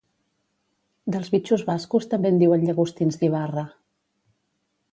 Dels bitxos bascos també en diuen llagostins d'Ibarra